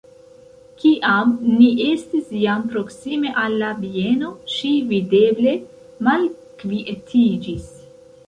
Kiam ni estis jam proksime al la bieno, ŝi, videble, malkvietiĝis.